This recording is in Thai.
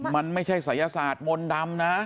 มันไม่ใช่ศัยศาสตร์มนต์ดำนะ